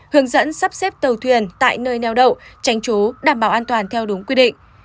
hướng dẫn sắp xếp tàu thuyền tại nơi neo đậu tránh trú đảm bảo an toàn theo đúng quy định